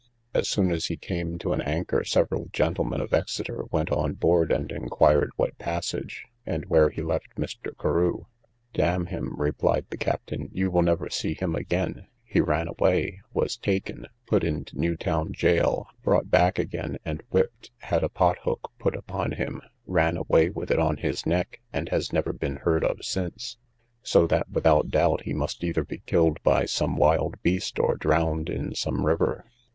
As soon as he came to an anchor, several gentlemen of Exeter went on board, and inquired what passage, and where he left Mr. Carew? Damn him, replied the captain, you will never see him again: he ran away, was taken, put into New Town gaol, brought back again, and whipped, had a pot hook put upon him, ran away with it on his neck, and has never been heard of since; so that, without doubt, he must either be killed by some wild beast, or drowned in some river.